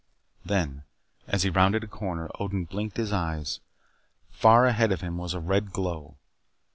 Then, as he rounded a corner, Odin blinked his eyes. Far ahead of him was a red glow.